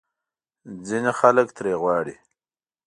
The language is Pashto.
ځینې خلک ترې غواړي